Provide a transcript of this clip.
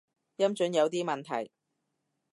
音準有啲問題